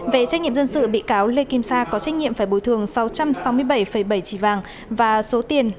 về trách nhiệm dân sự bị cáo lê kim sa có trách nhiệm phải bồi thường sáu trăm sáu mươi bảy bảy chỉ vàng và số tiền